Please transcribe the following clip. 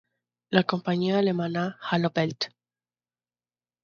La compañía alemana "Hallo Welt!